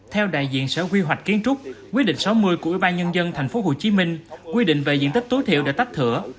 theo đại diện sở quy hoạch kiến trúc quy định sáu mươi của ủy ban nhân dân thành phố hồ chí minh quy định về diện tích tối thiểu để tách thửa